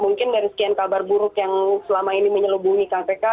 mungkin dari sekian kabar buruk yang selama ini menyelubungi kpk